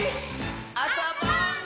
あそぼうね！